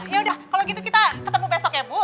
yaudah kalau gitu kita ketemu besok ya bu